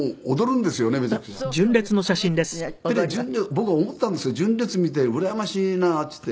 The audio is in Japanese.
僕思ったんですけど純烈見てうらやましいなっていって。